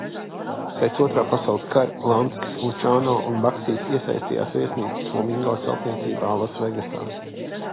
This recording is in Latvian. "Pēc Otrā pasaules kara Lanskis, Lučano un Bagsijs iesaistījās viesnīcas "Flamingo" celtniecībā Lasvegasā."